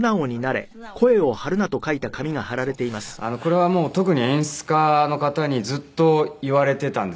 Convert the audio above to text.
これは特に演出家の方にずっと言われていたんですよね。